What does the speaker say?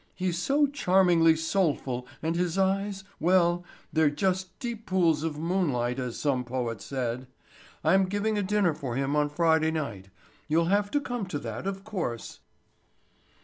He's so charmingly soulful and his eyes—well, they're just deep pools of moonlight as some poet said. I'm giving a dinner for him on Friday night. You'll have to come to that, of course."